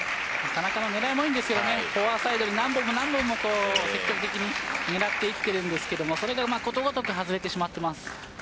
田中の狙いもいいんですけどフォアサイドに何度も何度も徹底的に狙っていってるんですけどことごとく外れてしまっています。